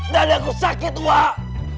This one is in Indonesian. dan aku sakit wak